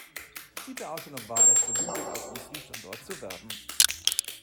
Ziel der Ausstellung war es, für Lübeck als Industriestandort zu werben.